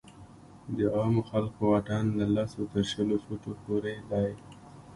د عامو خلکو واټن له لسو تر شلو فوټو پورې دی.